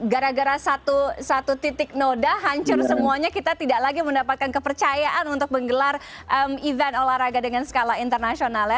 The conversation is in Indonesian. gara gara satu titik noda hancur semuanya kita tidak lagi mendapatkan kepercayaan untuk menggelar event olahraga dengan skala internasional ya